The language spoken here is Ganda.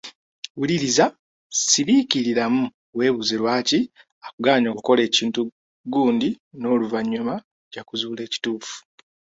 Wuliriza, siriikiriramu weebuuze lwaki akugaanyi okukola ekintu gundi n'oluvanyuma ojja kuzuula ekituufu.